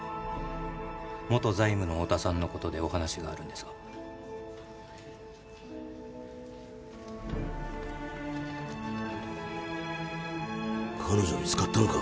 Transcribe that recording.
元財務の太田さんのことでお話があるんですが彼女見つかったのか？